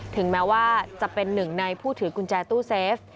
ถึงแม้ว่าจะเป็นหนึ่งในผู้ถือกุญแจตู้เซฟ